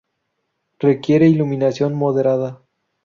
Requiere iluminación moderada.